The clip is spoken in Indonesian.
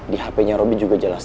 di hp nya robby juga jelas